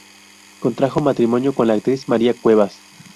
Contrajo matrimonio con la actriz María Cuevas.